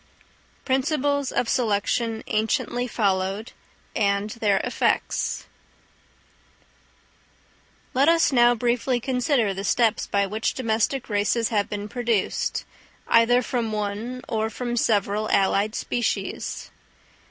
Principles of Selection anciently followed, and their Effects. Let us now briefly consider the steps by which domestic races have been produced, either from one or from several allied species.